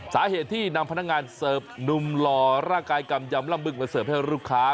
สาเหตุที่นำพนักงานเสิร์ฟหนุ่มหล่อร่างกายกำยำล่ำบึกมาเสิร์ฟให้ลูกค้า